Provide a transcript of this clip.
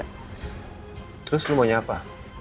terus lo mau nyapa